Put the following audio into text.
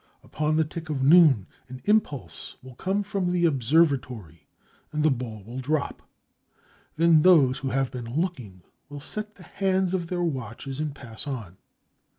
Upon the tick of noon, an impulse will come from the observatory, and the ball will drop. Then those who have been looking will set the hands of their watches and pass on.